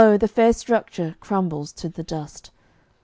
the fair structure crumbles to the dust.